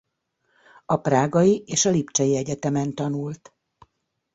A prágai és a lipcsei egyetemen tanult.